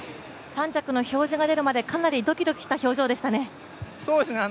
３着の表示が出るまで、かなりドキドキした表情でしたね。